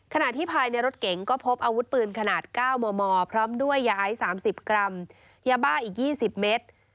ขณะที่ภายในรถเก๋งก็พบอาวุธปืนขนาด๙มมพร้อมด้วยย้าย๓๐กรัมยาบ้าอีก๒๐เมตร